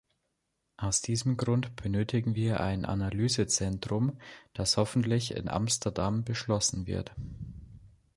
Aus diesem Grund benötigen wir ein Analysezentrum, das hoffentlich in Amsterdam beschlossen wird.